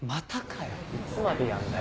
いつまでやんだよ。